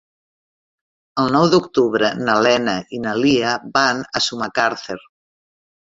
El nou d'octubre na Lena i na Lia van a Sumacàrcer.